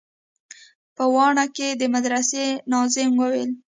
په واڼه کښې د مدرسې ناظم ويل.